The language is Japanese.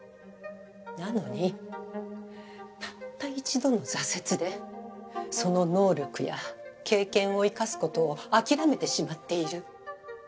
なのにたった一度の挫折でその能力や経験を生かす事を諦めてしまっている。